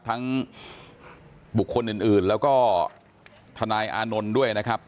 บุคคลอื่นแล้วก็ทนายอานนท์ด้วยนะครับ